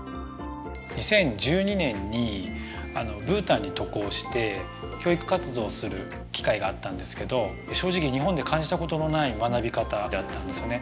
２０１２年にブータンに渡航して教育活動をする機会があったんですけど正直日本で感じたことのない学び方であったんですよね